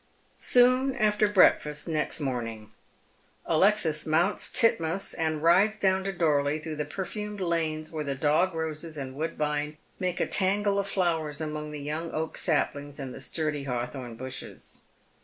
Soon after breakfast next morning. Alexis mounts Titmouse and rides down to Dorlcy, through the perfumed lanes wher6 tha dog roses and woodbine make a tangle of flowers among the young oak saphngs and the sturdy hawthorn bushes.